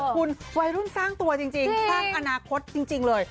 คุณวัยรุ่นสร้างตัวจริงสร้างอนาคตจริงเลย